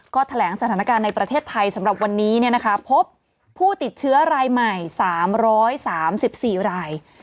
ก็แถลงสถานการณ์ในประเทศไทยสำหรับวันนี้พบผู้ติดเชื้อรายใหม่๓๓๔ราย